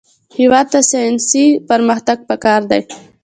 هېواد ته ساینسي پرمختګ پکار دی